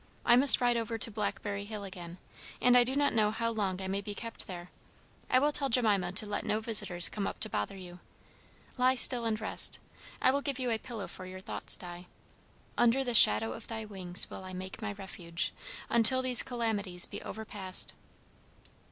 "I must ride over to Blackberry Hill again and I do not know how long I may be kept there. I will tell Jemima to let no visitors come up to bother you. Lie still and rest. I will give you a pillow for your thoughts, Di. 'Under the shadow of thy wings will I make my refuge, until these calamities be overpast.'"